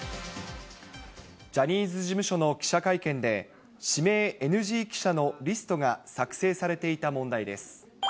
ジャニーズ事務所の記者会見で、指名ＮＧ記者のリストが作成されていた問題です。